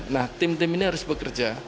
nah tim tim ini harus bekerja